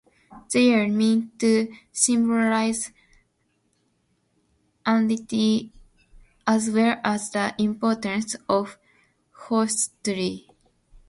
They are meant to symbolize unity as well as the importance of forestry.